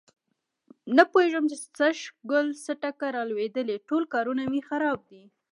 نه پوهېږم چې سږ کل څه ټکه را لوېدلې ټول کارونه مې خراب دي.